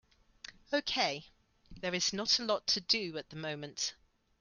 Okay, there is not a lot to do at the moment.